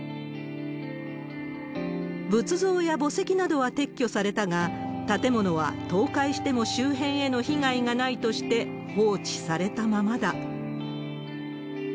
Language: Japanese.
仏像や墓石などは撤去されたが、建物は倒壊しても周辺への被害がないとして、放置されたままだ。